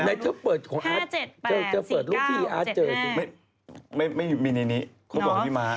เลขอะไรน่ะ